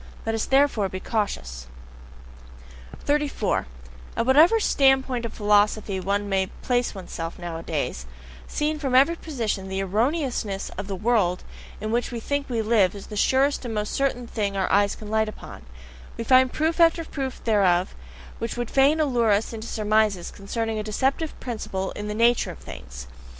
Let us therefore be cautious! 34. At whatever standpoint of philosophy one may place oneself nowadays, seen from every position, the ERRONEOUSNESS of the world in which we think we live is the surest and most certain thing our eyes can light upon: we find proof after proof thereof, which would fain allure us into surmises concerning a deceptive principle in the "nature of things."